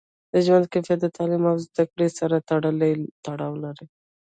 د ژوند کیفیت د تعلیم او زده کړې سره تړاو لري.